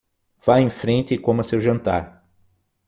Vá em frente e coma seu jantar.